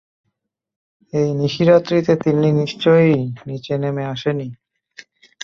এই নিশিরাত্রিতে তিন্নি নিশ্চয়ই নিচে নেমে আসে নি।